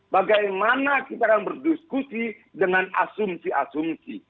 bagaimana kita akan berdiskusi dengan asumsi asumsi